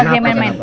ajak ya main main